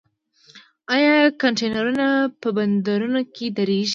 آیا کانټینرونه په بندرونو کې دریږي؟